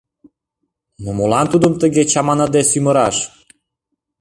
Но молан тудым тыге чаманыде сӱмыраш?